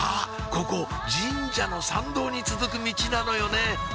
ここ神社の参道に続くミチなのよね